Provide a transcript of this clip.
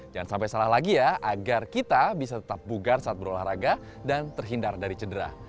jangan sampai salah lagi ya agar kita bisa tetap bugar saat berolahraga dan terhindar dari cedera